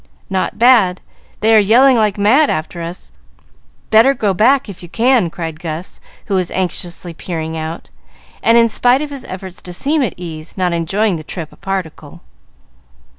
"Not bad. They are yelling like mad after us. Better go back, if you can," said Gus, who was anxiously peering out, and, in spite of his efforts to seem at ease, not enjoying the trip a particle.